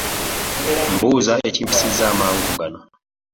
Mbuuza ekimpisizza amangu gano .